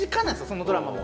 そのドラマも。